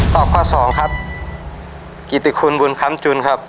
ข้อสองครับกิติคุณบุญคำจุนครับ